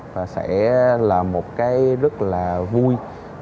và sẽ là một cái rất là vui